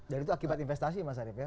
itu akibat investasi mas arief ya